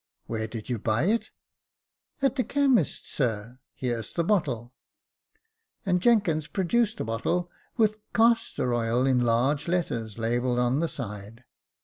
" Where did you buy it ?"At the chemist's, sir. Here's the bottle j " and Jenkins produced a bottle with castor oil in large letters labelled on the side.